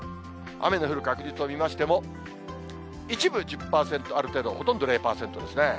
雨の降る確率を見ましても、一部、１０％ある程度、ほとんど０％ですね。